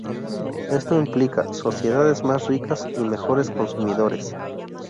Esto implica: sociedades más ricas y mejores consumidores.